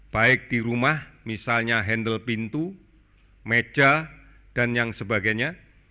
baik di rumah misalnya handle pintu meja dan yang sebagainya